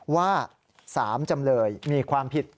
ว่า๓จำเลยมีความผิด